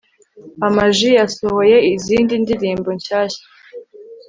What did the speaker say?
amaji yasohoye izindi ndirimbo nshyashya